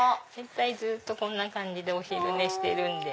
ずっとこんな感じでお昼寝してるんで。